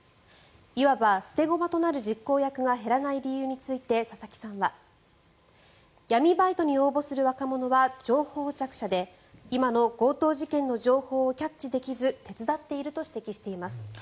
いわば捨て駒となる実行役が減らない理由について佐々木さんは闇バイトに応募する若者は情報弱者で今の強盗事件の情報をキャッチできず手伝っていると指摘しています。